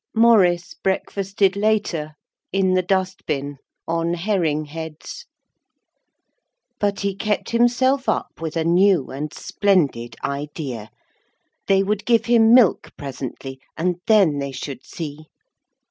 Maurice breakfasted later, in the dust bin, on herring heads. But he kept himself up with a new and splendid idea. They would give him milk presently, and then they should see.